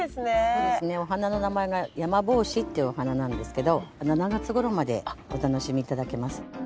そうですねお花の名前がヤマボウシっていうお花なんですけど７月頃までお楽しみ頂けます。